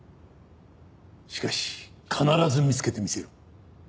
しかし必ず見つけてみせる。